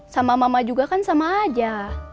sama mama juga kan sama aja